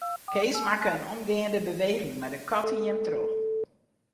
Kees makke in omgeande beweging, mar de kat hie him troch.